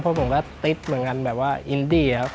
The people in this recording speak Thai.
เพราะผมก็ติดเหมือนกันแบบว่าอินดี้ครับ